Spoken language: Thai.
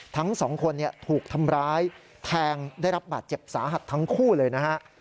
ทั้งสองคนถูกทำร้ายแทงได้รับบาดเจ็บสาหัสทั้งคู่เลยนะฮะ